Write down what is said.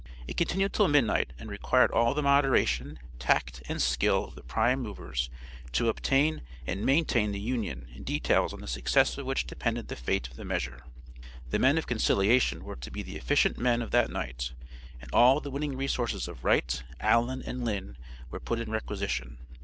It continued till midnight and required all the moderation, tact and skill of the prime movers to obtain and maintain the Union in details on the success of which depended the fate of the measure. The men of concilliation were to be the efficient men of that night, and all the winning resources of Wright, Allen and Linn were put in requisition.